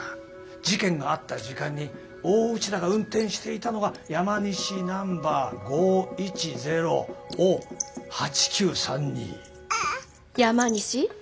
事件があった時間に大内田が運転していたのが山西ナンバー５１０を８９３２。